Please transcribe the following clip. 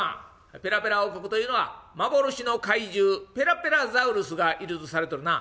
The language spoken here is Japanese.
「ペラペラ王国というのは幻の怪獣ペラペラザウルスがいるとされとるな」。